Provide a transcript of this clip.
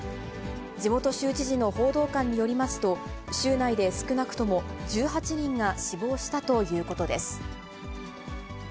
地元州知事の報道官によりますと、州内で少なくとも１８人が死亡したということです。